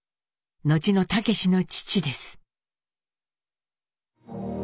後の武司の父です。